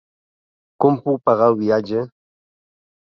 Com puc pagar el viatge?